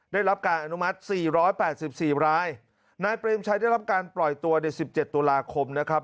ได้รับการอนุมัติสี่ร้อยแปดสิบสี่รายนายเปรมชัยได้รับการปล่อยตัวในสิบเจ็ดตุลาคมนะครับ